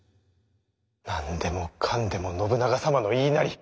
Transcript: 何でもかんでも信長様の言いなり。